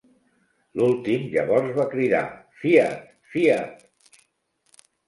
L'últim llavors va cridar "fiat, fiat!".